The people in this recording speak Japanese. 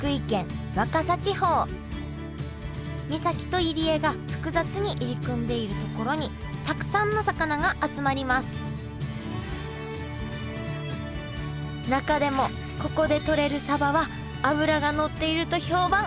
岬と入り江が複雑に入り組んでいる所にたくさんの魚が集まります中でもここでとれるサバは脂がのっていると評判。